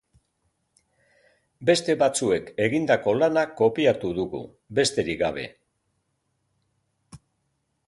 Beste batzuek egindako lana kopiatu dugu, besterik gabe.